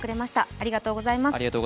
ありがとうございます。